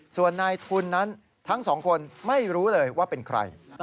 ส่วนนายทุนนั้นทั้งสองคนไม่รู้เลยว่าเป็นใคร